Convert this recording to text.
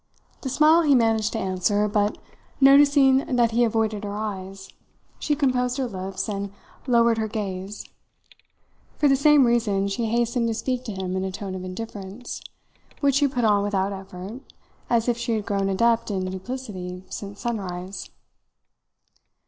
The smile he managed to answer, but, noticing that he avoided her eyes, she composed her lips and lowered her gaze. For the same reason she hastened to speak to him in a tone of indifference, which she put on without effort, as if she had grown adept in duplicity since sunrise.